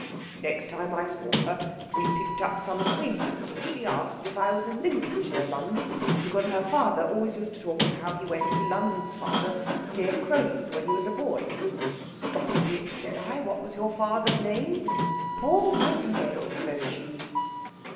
"Next time I saw her we picked up some acquaintance, and she asked if I was a Lincolnshire Lund, because her father always used to talk of how he went to Lund's father's, near Crowland, when he was a boy. 'Stop a bit,' said I; 'what was your father's name?' 'Paul Nightingale,' says she."